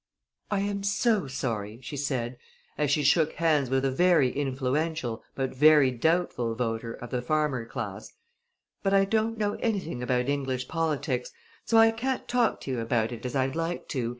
"I am so sorry," she said as she shook hands with a very influential but very doubtful voter of the farmer class, "but I don't know anything about English politics; so I can't talk to you about it as I'd like to.